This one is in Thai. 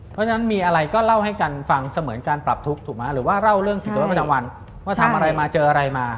เพราะฉะนั้นมีอะไรก็เล่าให้กันฟังเสมือนการปรับทุกข์ถูกไหมหรือว่าเล่าเรื่องสิทธิวัตประจำวันว่าทำอะไรมาเจออะไรมา